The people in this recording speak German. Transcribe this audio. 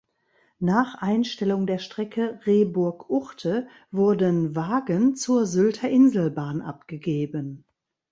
Nach Einstellung der Strecke Rehburg–Uchte wurden Wagen zur Sylter Inselbahn abgegeben.